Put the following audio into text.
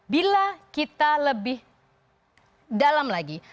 bila kita lebih dalam lagi